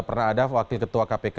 pernah ada wakil ketua kpk